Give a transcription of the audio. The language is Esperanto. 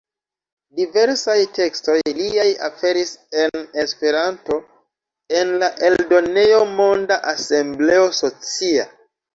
Diversaj tekstoj liaj aperis en Esperanto en la eldonejo Monda Asembleo Socia.